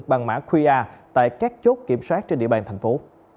bằng mã qr tại các chốt kiểm soát trên địa bàn thành phố